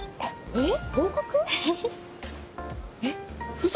えっ？